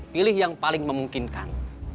pilih yang paling memungkinkan